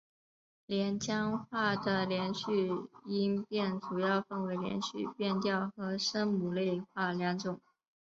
连江话的连读音变主要分为连读变调和声母类化两种。